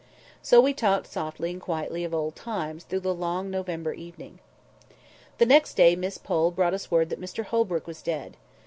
So we talked softly and quietly of old times through the long November evening. The next day Miss Pole brought us word that Mr Holbrook was dead.